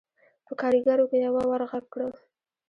په کارېګرو کې يوه ور غږ کړل: